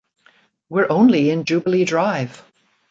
We're only in Jubilee Drive.